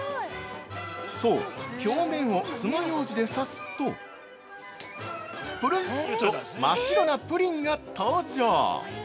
◆そう、表面をつまようじで刺すとぷるんと真っ白なプリンが登場。